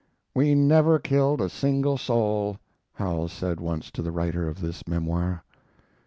"We never killed a single soul," Howells said once to the writer of this memoir.